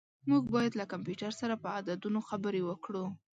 موږ باید له کمپیوټر سره په عددونو خبرې وکړو.